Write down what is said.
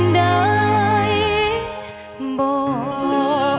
ได้บอก